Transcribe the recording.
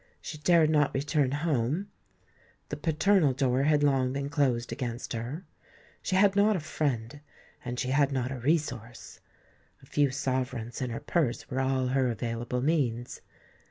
She dared not return home; the paternal door had long been closed against her; she had not a friend—and she had not a resource. A few sovereigns in her purse were all her available means.